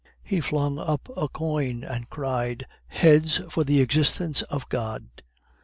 He flung up a coin and cried: "Heads for the existence of God!"